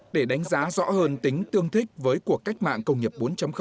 để đánh giá rõ hơn tính tương thích với cuộc cách mạng công nghiệp bốn